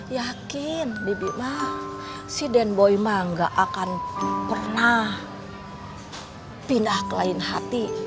yakin bibi ma si den boy ma nggak akan pernah pindah ke lain hati